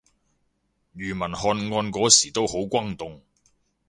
庾文翰案嗰時都好轟動